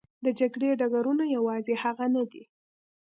د جګړې ډګرونه یوازې هغه نه دي.